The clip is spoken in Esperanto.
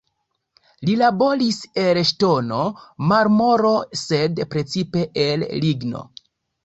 Li laboris el ŝtono, marmoro, sed precipe el ligno.